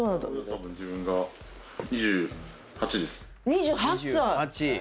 ２８歳。